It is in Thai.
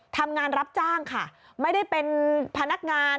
ทำงานรับจ้างค่ะไม่ได้เป็นพนักงาน